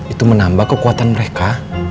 itu menambah kekuatan mereka